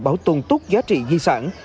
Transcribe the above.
bảo tồn tốt giá trị di sản